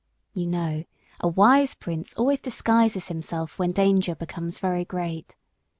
You know, a wise prince always disguises himself when danger becomes very great.